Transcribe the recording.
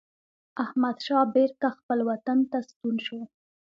احمدشاه بیرته خپل وطن ته ستون شو.